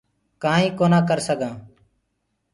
ڪآئينٚ ڪونآ ڪرسگآنٚ